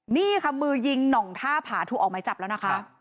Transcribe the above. นี่ค่ะมือยิงหน่องท่าผาถูกออกไม้จับแล้วนะคะ